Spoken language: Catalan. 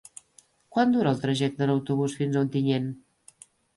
Quant dura el trajecte en autobús fins a Ontinyent?